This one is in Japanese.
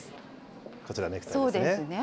こちら、ネクタイですね。